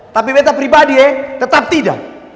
tapi beta pribadi eh tetap tidak